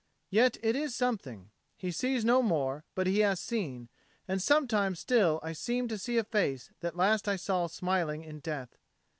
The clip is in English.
Yet it is something; he sees no more, but he has seen; and sometimes still I seem to see a face that last I saw smiling in death.